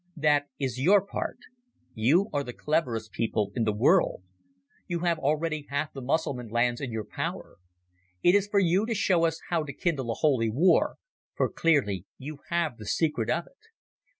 "That is your part. You are the cleverest people in the world. You have already half the Mussulman lands in your power. It is for you to show us how to kindle a holy war, for clearly you have the secret of it.